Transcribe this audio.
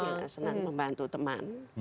iya dari kecil ya senang membantu teman